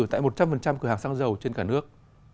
tại một trăm linh cửa hàng xăng dầu trên cả nước